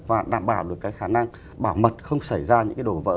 và đảm bảo được cái khả năng bảo mật không xảy ra những cái đổ vỡ